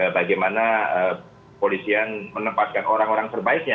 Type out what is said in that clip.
bagaimana polisian menempatkan orang orang terbaiknya